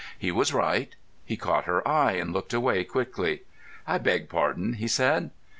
He was right. He caught her eye and looked away quickly. "I beg pardon!" he said.